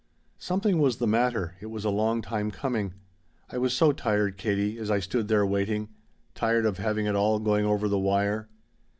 "Something was the matter it was a long time coming. I was so tired, Katie, as I stood there waiting. Tired of having it all going over the wire.